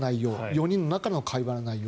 ４人の中の会話の内容